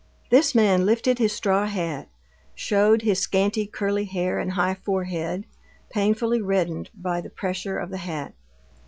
This man lifted his straw hat, showed his scanty curly hair and high forehead, painfully reddened by the pressure of the hat.